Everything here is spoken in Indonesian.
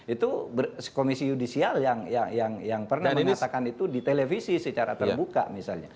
itu komisi judisial yang pernah mengatakan itu di televisi secara terbuka misalnya